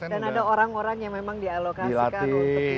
dan ada orang orang yang memang dialokasikan untuk dilatih